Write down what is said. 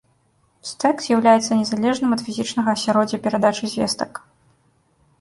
Стэк з'яўляецца незалежным ад фізічнага асяроддзя перадачы звестак.